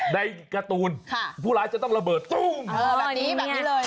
ในการ์ตูนผู้ร้ายจะต้องระเบิดตุ้มแบบนี้แบบนี้เลย